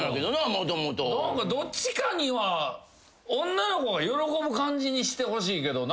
どっちかには女の子が喜ぶ感じにしてほしいけど。